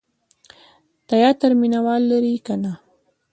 تیاتر مینه وال لري که نه؟